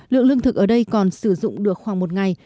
lượng lương thực ở đây còn sử dụng được khoảng một ngày